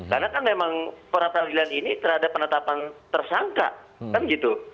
karena kan memang pra peradilan ini terhadap penetapan tersangka kan gitu